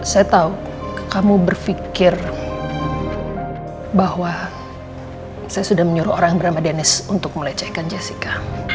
saya tahu kamu berpikir bahwa saya sudah menyuruh orang bernama dennis untuk melecehkan jessica